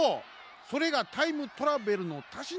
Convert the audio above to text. それがタイムトラベルのたしなみニャ！